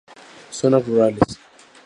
Zonas rurales.